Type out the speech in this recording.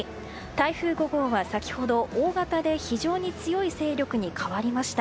台風５号は先ほど、大型で非常に強い勢力に変わりました。